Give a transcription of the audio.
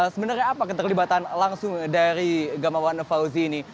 sebenarnya apa keterlibatan langsung dari gamawan fauzi ini